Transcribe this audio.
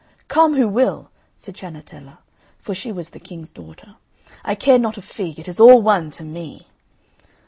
"Come who will!" said Ciannetella (for that was the King's daughter), "I care not a fig it is all one to me."